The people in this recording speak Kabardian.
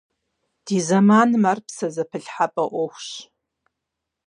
Ди зэманым ар псэзэпылъхьэпӀэ Ӏуэхущ.